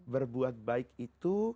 berbuat baik itu